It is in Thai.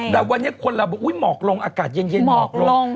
แต่วันนี้คนเราบอกอุ๊ยหมอกลงอากาศเย็นหมอกลง